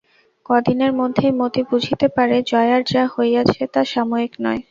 কদিনের মধ্যেই মতি বুঝিতে পারে জয়ার যা হইয়াছে তা সাময়িক নয়।